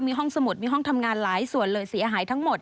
มีห้องสมุดมีห้องทำงานหลายส่วนเลยเสียหายทั้งหมด